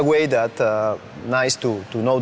ก็ถือว่าค่อนข้างครอบคุมนะครับจากตัวผู้เล่นที่เราเห็นกันมาเพราะว่า